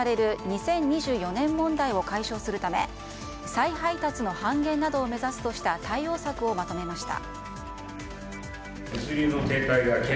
２０２４年問題を解消するため再配達の半減などを目指すとした対応策をまとめました。